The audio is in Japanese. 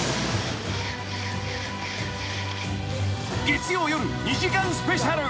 ［月曜夜２時間スペシャル］